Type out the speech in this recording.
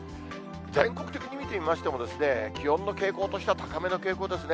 全国的に見てみましても、気温の傾向としては高めの傾向ですね。